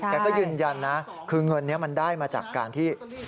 แกก็ยืนยันนะคือเงินนี้มันได้มาจากการที่